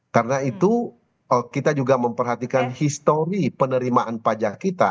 karena itu kita juga memperhatikan histori penerimaan pajak kita